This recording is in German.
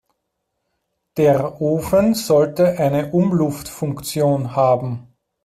Der Ofen sollte eine Umluftfunktion haben.